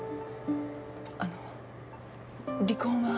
あの離婚は？